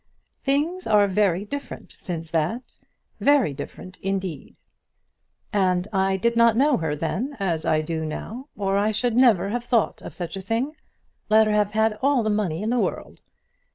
"Things are very different since that; very different indeed. And I did not know her then as I do now, or I should never have thought of such a thing, let her have had all the money in the world.